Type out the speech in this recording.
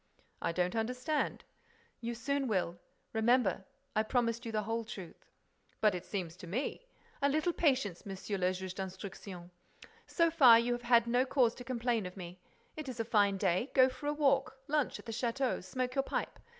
"I don't understand." "You soon will. Remember, I promised you the whole truth." "But it seems to me—" "A little patience, Monsieur le Juge d'Instruction. So far, you have had no cause to complain of me. It is a fine day. Go for a walk, lunch at the château, smoke your pipe.